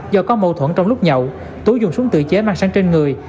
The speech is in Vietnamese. do có mâu thuẫn trong lúc nhậu tú dùng súng tự chế mang sang trên người